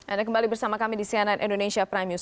anda kembali bersama kami di cnn indonesia prime news